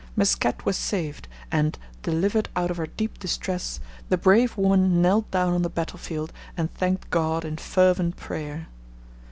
Mesket was saved, and, delivered out of her deep distress, the brave woman knelt down on the battlefield and thanked God in fervent prayer.